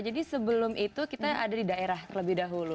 jadi sebelum itu kita ada di daerah terlebih dahulu